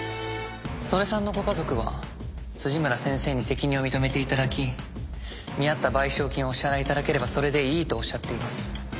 曽根さんのご家族は辻村先生に責任を認めていただき見合った賠償金をお支払いいただければそれでいいとおっしゃっています。